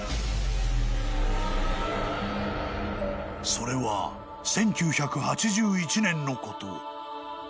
［それは１９８１年のこと］